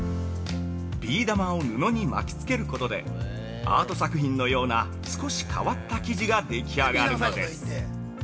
◆ビー玉を布に巻きつけることで、アート作品のような少し変わった生地ができ上がるのです◆